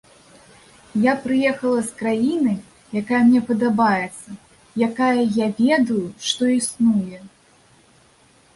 Я прыехала з краіны, якая мне падабаецца, якая, я ведаю, што існуе.